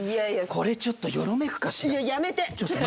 これちょっとよろめくかしら？